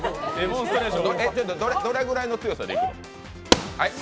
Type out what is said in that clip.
どれぐらいの強さでいくの？